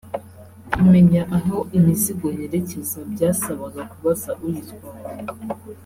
kumenya aho imizigo yerekeza byasabaga kubaza uyitwaye